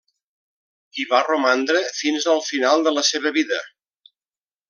Hi va romandre fins al final de la seva vida.